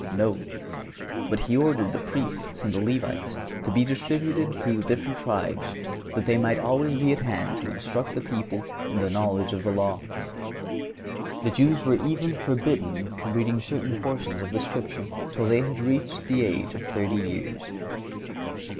No; but He ordered the Priests and the Levites to be distributed through the different tribes, that they might always be at hand to instruct the people in the knowledge of the law. The Jews were even forbidden to read certain portions of the Scripture till they had reached the age of thirty years.